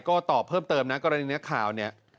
ก็ตอบเพิ่มเติมนะกรณีนี้ข่าวเนี่ย